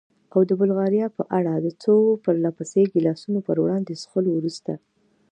او د بلغاریا په اړه؟ د څو پرله پسې ګیلاسو برانډي څښلو وروسته.